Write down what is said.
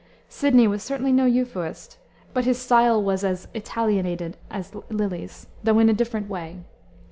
Sidney was certainly no Euphuist, but his style was as "Italianated" as Lyly's, though in a different way.